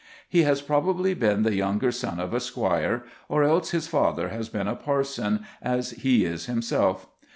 He has probably been the younger son of a squire, or else his father has been a parson, as he is himself.